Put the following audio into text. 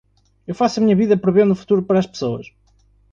Eu faço a minha vida prevendo o futuro para as pessoas